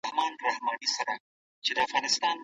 شاه محمود هوتک اصفهان محاصره کړی و.